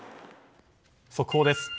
速報です。